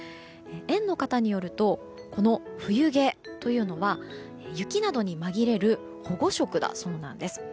園の方によると冬毛というのは雪などに紛れる保護色だそうなんです。